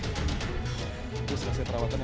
itu selesai perawatan ya dok ya